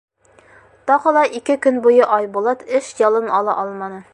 Тағы ла ике көн буйы Айбулат эш ялын ала алманы.